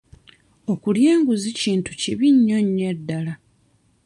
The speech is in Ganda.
Okulya enguzi kintu kibi nnyo nnyo ddala.